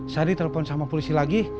sadi telepon sama polisi lagi